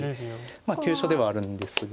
まあ急所ではあるんですが。